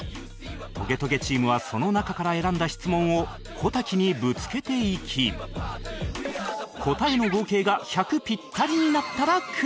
トゲトゲチームはその中から選んだ質問を小瀧にぶつけていき答えの合計が１００ピッタリになったらクリア